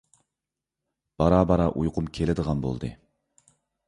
بارا-بارا ئۇيقۇم كېلىدىغان بولدى.